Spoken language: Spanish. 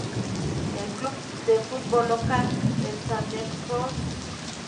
El club de fútbol local, el Sandefjord Fotball, juega en la Tippeligaen.